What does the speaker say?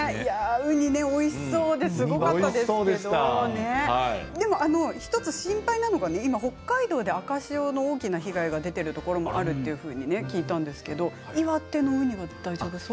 ウニおいしそうでしたが１つ心配なのが北海道で今赤潮の大きな被害が出ているところもあると聞いたんですが岩手のウニは大丈夫そう？